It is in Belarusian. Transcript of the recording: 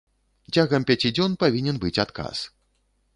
Цягам пяці дзён павінен быць адказ.